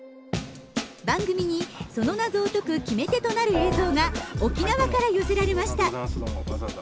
番組にその謎を解く決め手となる映像が沖縄から寄せられました。